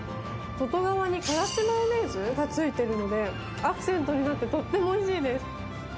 外側にからしマヨネーズがついているのでアクセントになってとってもおいしいです。